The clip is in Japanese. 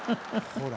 ほら。